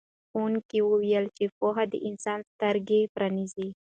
ښوونکي وویل چې پوهه د انسان سترګې پرانیزي.